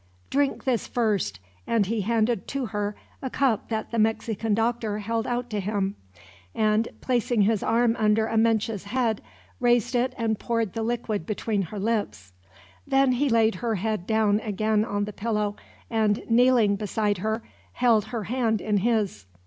"Drink this first," and he handed to her a cup that the Mexican doctor held out to him; and placing his arm under Amenche's head, raised it and poured the liquid between her lips. Then he laid her head down again on the pillow and, kneeling beside her, held her hand in his.